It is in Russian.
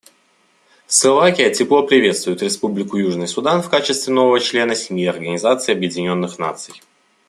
Словакия тепло приветствует Республику Южный Судан в качестве нового члена семьи Организации Объединенных Наций.